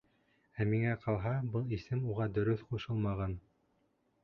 Ә миңә ҡалһа, был исем уға дөрөҫ ҡушылмаған.